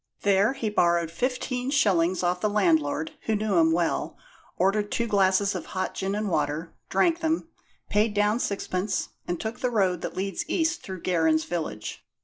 There he borrowed fifteen shillings off the landlord, who knew him well; ordered two glasses of hot gin and water, drank them, paid down sixpence, and took the road that leads east through Gerrans village.